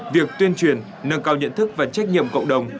việc tuyên truyền nâng cao nhận thức và trách nhiệm cộng đồng